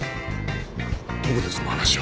どこでその話を。